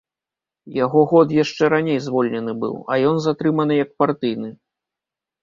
Яго год яшчэ раней звольнены быў, а ён затрыманы як партыйны.